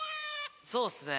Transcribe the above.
そうっすね。